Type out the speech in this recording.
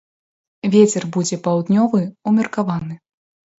Вецер будзе паўднёвы, умеркаваны.